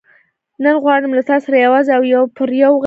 نن غواړم له تا سره یوازې او یو پر یو وغږېږم.